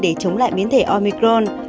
để chống lại biến thể omicron